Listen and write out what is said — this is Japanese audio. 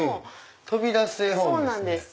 飛び出す絵本ですね。